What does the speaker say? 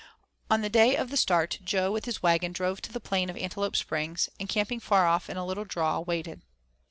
On the day of the start Jo with his wagon drove to the plain of Antelope Springs and, camping far off in a little draw, waited.